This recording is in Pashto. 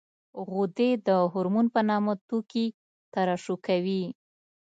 غدې د هورمون په نامه توکي ترشح کوي.